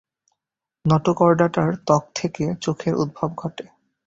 নটোকর্ডাটার ত্বক থেকে চোখের উদ্ভব ঘটে।